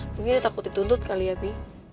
mungkin dia takut dituntut kali ya pi